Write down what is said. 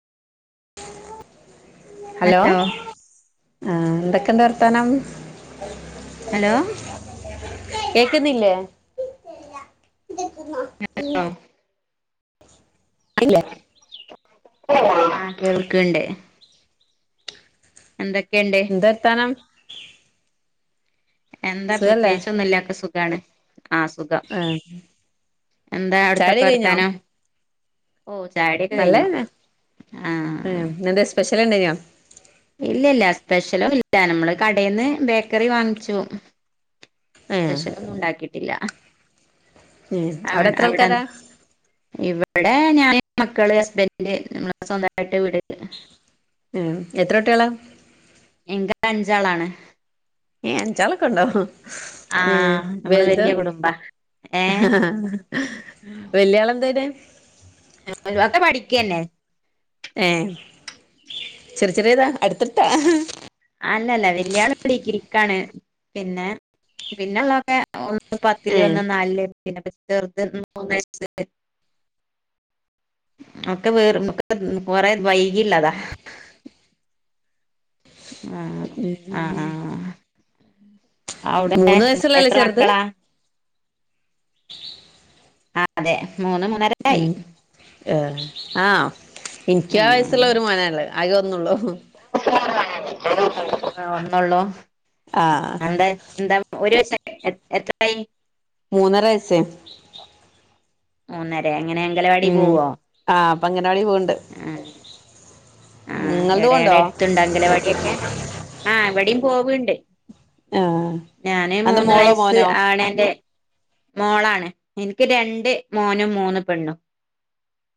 Hello ആ എന്തൊക്കെണ്ട് വർത്തനം ഹലോ കേക്കുന്നില്ലേ ഇല്ലെ ആഹ് കേൾക്കണ്ടേ എന്തൊക്കെയുണ്ട് എന്തർത്താനം എന്താ സുഖല്ലേ പ്രത്യേകിച്ചൊ ഒന്നുംല്ല ഒക്കെ സുഖമാണ് ആ സുഖം ആ എന്താ ചായുടി അടുത്തൊക്കെ കഴിഞ്ഞോ വരുത്താനോ ഓ ചാടൊക്കെ കഴിഞ്ഞു നല്ലതന്നെ ആഹ് സ്പെഷൽല്ലെ ഞൻ ഇല്ല ഇല്ല സ്പെഷ്യലും ഇല്ല നമ്മള് കടയിൽന്ന് ബേക്കറി വാങ്ങിച്ചു ഏ സ്പെഷ്യലൊന്നും ഉണ്ടാക്കിട്ടില്ല ഏ അ അവിടെ എത്ര ആൾക്കാരാ അവിടെന്ന് ഇവിടെ ഞാൻ മക്കള് ഹസ്ബന്ഡ് നമ്മ സ്വന്തമായിട്ട് വീട് ആ എത്ര കുട്ടികളാ എങ്ക അഞ്ചാളാണ് ഏഹ് അച്ചാലൊക്കെ ഉണ്ടോ ഏഹ് ആഹ് നമ്മള് വലുത വല്യ കുടുംബ ഏഹ് ആ വല്യാള എന്തനെ ഒക്കെ പഠിക്കന്നെ ഏഹ ചെറിയ ചെറിയ ഇതാ അടുത്തിട്ടാ അല്ലല്ല വെല്യാള എടക്കിരിക്കാണ് പിന്നെ പിന്നെള്ളതൊക്കെ ഏ പത്തിലല് ഒന്ന് നാലിലേ പിന്നെ ചെറുത് മൂന്ന് വയസ് ഒക്കെ വേറക്ക കൊറെ വൈകില്ലതാ ആഹ് ആഹ് ഉം ആഹ് അവിടെ വയസ്സുള്ളല്ലേ എത്ര ചെറുത് മക്കളാ ആ അതെ മൂന്ന് മൂന്ന ഉം ആഹ് എനിക്ക് ആ വയസ്സുള്ള ഒരു മോനല്ലേ അകെ ഒന്നള്ളൂ ആ ഒന്നള്ളൂ ആ എന്താ എന്താ ഒരു ദിവസ എത്രായി മൂന്നരവയസ്സെ മൂന്നര എങ്ങനെ അംഗലവാടി ഉം ആഹ് അപ്പൊ അങ്ങനവാടി പോവ്ണ്ട് ആ ആ നിങ്ങൾത് എവിടെ എടെ പോവ്ണ്ടോ എടുത്ത്ണ്ട അങ്കലവാടിയൊക്കെ? ആഹ ഇവിടിം പോവ്ണ്ട്. ആഹ് ഞാന് അന്റെ മൂന്ന് മോളോ വയസ്സ് മോനോ ആണെന്റെ മോളാണ്. എനിക്ക് രണ്ട് മോനും മൂന്ന് പെണ്ണും.